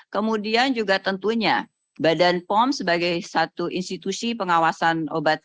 kemudian juga tentunya badan pom sebagai satu institusi pengawasan obat